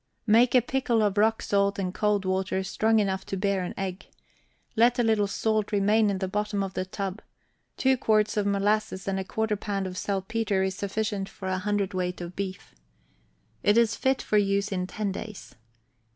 Make a pickle of rock salt and cold water strong enough to bear an egg, let a little salt remain in the bottom of the tub; two quarts of molasses and a quarter pound of saltpetre is sufficient for a cwt. of beef. It is fit for use in ten days.